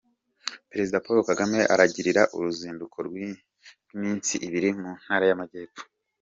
Perezida Paul Kagame aragirira uzinduko rw’iminsi ibiri mu ntara y’Amajyepfo